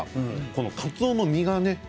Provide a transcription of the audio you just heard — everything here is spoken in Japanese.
かつおの身がね